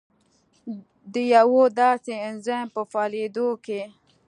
د یوه داسې انزایم په فعالېدو کې